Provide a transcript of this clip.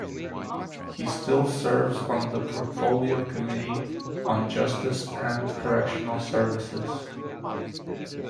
He still serves on the Portfolio Committee on Justice and Correctional Services.